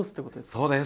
そうです。